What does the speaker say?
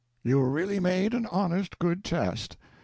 You really made an honest good test.